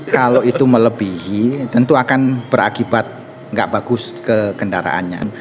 kalau itu melebihi tentu akan berakibat nggak bagus kekendaraannya